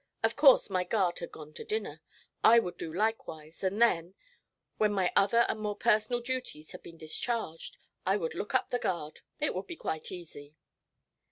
Of course my guard had gone to dinner; I would do likewise, and then, when my other and more personal duties had been discharged, I would look up the guard. It would be quite easy.